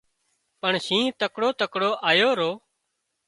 پڻ شِنهن تڪڙو تڪڙو آيو رو